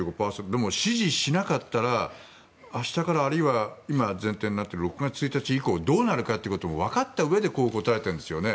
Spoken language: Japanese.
でも、支持しなかったら明日からあるいは今前提になっている６月１日以降どうなるかっていうこともわかったうえでこう答えているんですよね。